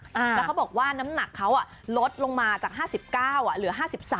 แล้วเขาบอกว่าน้ำหนักเขาลดลงมาจาก๕๙เหลือ๕๓